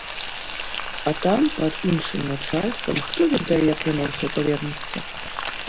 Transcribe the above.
А там, пад іншым начальствам, хто ведае, як яно ўсё павернецца.